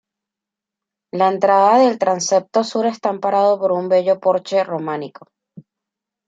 La entrada del transepto sur está amparado por un bello porche románico.